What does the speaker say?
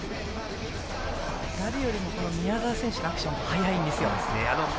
誰よりも宮澤選手のアクションが速いんですよ。